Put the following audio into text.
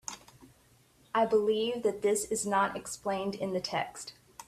I believe that this is not explained in the text.